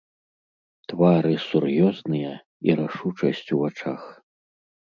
Твары сур'ёзныя, і рашучасць у вачах.